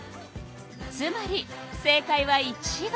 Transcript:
つまり正かいは１番。